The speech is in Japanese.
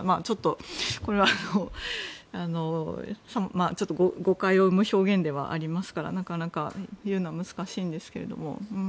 ちょっと、これは誤解を生む表現ではありますからなかなか言うのは難しいんですけれども。